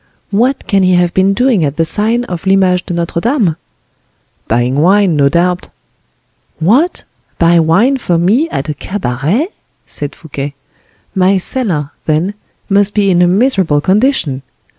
"What can he have been doing at the sign of L'Image de Notre Dame?" "Buying wine, no doubt." "What! buy wine for me, at a cabaret?" said Fouquet. "My cellar, then, must be in a miserable condition!"